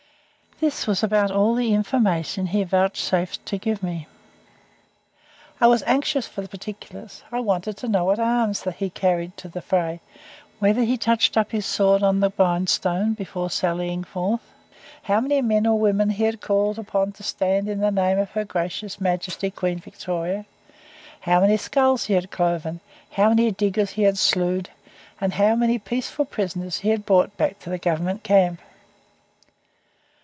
This was about all the information he vouchsafed to give me. I was anxious for particulars. I wanted to know what arms he carried to the fray, whether he touched up his sword on the grind stone before sallying forth, how many men or women he had called upon to stand in the name of her gracious Majesty Queen Victoria, how many skulls he had cloven, how many diggers he had "slewed," and how many peaceful prisoners he had brought back to the Government camp.